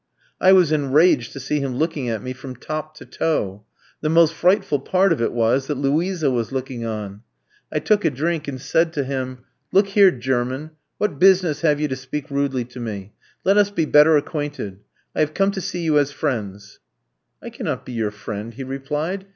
"I was enraged to see him looking at me from top to toe. The most frightful part of it was, that Luisa was looking on. I took a drink and said to him: "'Look here, German, what business have you to speak rudely to me? Let us be better acquainted. I have come to see you as friends.' "'I cannot be your friend,' he replied.